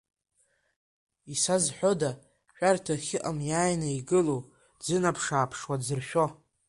Исазҳәода, шәарҭа ахьыҟам иааины игылоу дзынаԥш-ааԥшуа, дзыршәо?